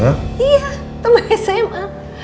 iya teman sma